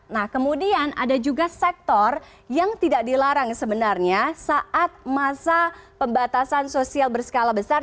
nah kemudian ada juga sektor yang tidak dilarang sebenarnya saat masa pembatasan sosial berskala besar